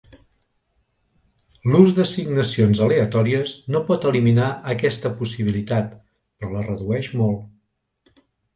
L'ús d'assignacions aleatòries no pot eliminar aquesta possibilitat, però la redueix molt.